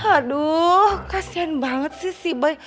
haduh kasian banget sih si boy